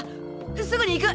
すぐに行く！